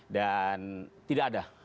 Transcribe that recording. dan tidak ada